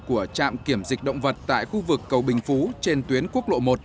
của trạm kiểm dịch động vật tại khu vực cầu bình phú trên tuyến quốc lộ một